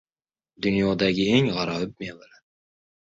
Dunyodagi eng g‘aroyib mevalar